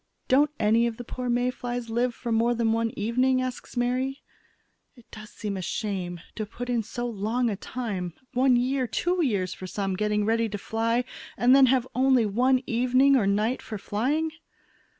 "Don't any of the poor May flies live for more than one evening?" asks Mary. "It does seem a shame to put in so long a time, one year, two years for some, getting ready to fly and then have only one evening or night for flying."